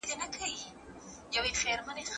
څېړونکی د بصیرت په رڼا کي حقایق ویني.